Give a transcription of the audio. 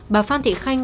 bà phan thị khanh